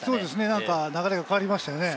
何か流れが変わりましたよね。